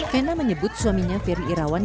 fena menyebut suaminya ferry irawan